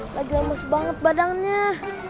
lagi lemes banget badannya